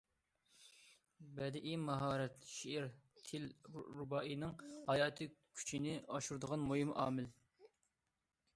بەدىئىي ماھارەت— شېئىرىي تىل رۇبائىينىڭ ھاياتى كۈچىنى ئاشۇرىدىغان مۇھىم ئامىل.